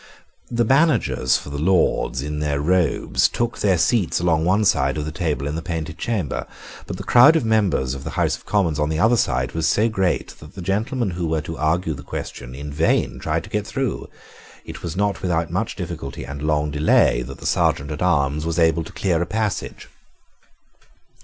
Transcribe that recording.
The managers for the Lords, in their robes, took their seats along one side of the table in the Painted Chamber: but the crowd of members of the House of Commons on the other side was so great that the gentlemen who were to argue the question in vain tried to get through. It was not without much difficulty and long delay that the Serjeant at Arms was able to clear a passage.